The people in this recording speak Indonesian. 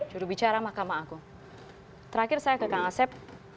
judul bicara mahkamah agung terakhir saya ke kang asep